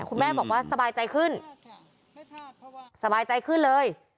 คุณแม่บอกว่าสบายใจขึ้นสบายใจขึ้นเลย